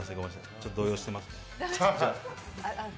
ちょっと動揺してます。